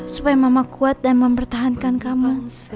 supaya mama kuat dan mempertahankan kamu